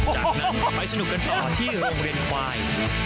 จากนั้นก็ไปสนุกกันต่อที่โรงเรียนควาย